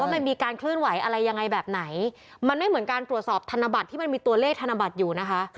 มันมีการเคลื่อนไหวอะไรยังไงแบบไหนมันไม่เหมือนการตรวจสอบธนบัตรที่มันมีตัวเลขธนบัตรอยู่นะคะ